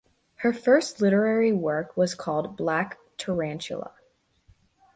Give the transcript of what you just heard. Her first literary work was called “Black Tarantula”.